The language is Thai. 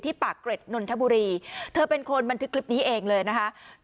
ปากเกร็ดนนทบุรีเธอเป็นคนบันทึกคลิปนี้เองเลยนะคะ